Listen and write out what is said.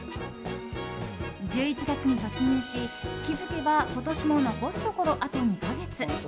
１１月に突入し、気づけば今年も残すところあと２か月。